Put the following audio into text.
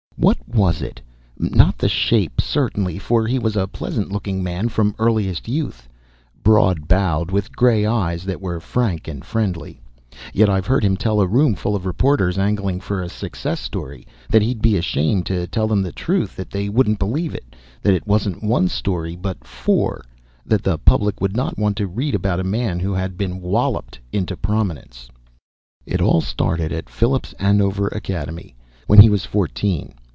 What was it? Not the shape, certainly, for he was a pleasant looking man from earliest youth: broad bowed with gray eyes that were frank and friendly. Yet I've heard him tell a room full of reporters angling for a "success" story that he'd be ashamed to tell them the truth that they wouldn't believe it, that it wasn't one story but four, that the public would not want to read about a man who had been walloped into prominence. It all started at Phillips Andover Academy when he was fourteen.